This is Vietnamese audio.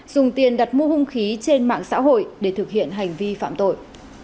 dùng tiền đặt mua hung khí trên mạng xã hội để thực hiện hành vi phạm tội